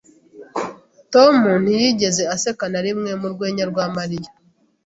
Tom ntiyigeze aseka na rimwe mu rwenya rwa Mariya.